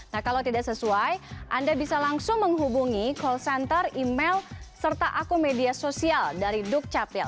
nah kalau tidak sesuai anda bisa langsung menghubungi call center email serta akun media sosial dari dukcapil